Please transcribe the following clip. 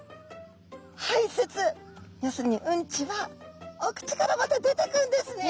はいせつ要するにうんちはお口からまた出てくるんですね。